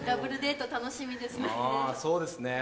あぁそうですね。